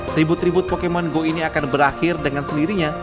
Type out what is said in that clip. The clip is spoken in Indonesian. tribut tribut pokemon go ini akan berakhir dengan sendirinya